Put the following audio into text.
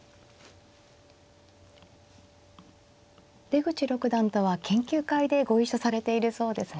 出口六段とは研究会でご一緒されているそうですね。